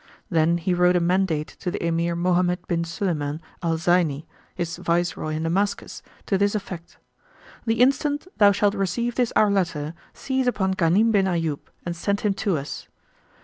Then he wrote a mandate to the Emir Mohammed bin Sulayman al Zayni, his viceroy in Damascus, to this effect: "The instant thou shalt receive this our letter, seize upon Ghanim bin Ayyub and send him to us."